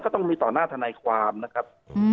ต้องมีต่อหน้าทนายความนะครับ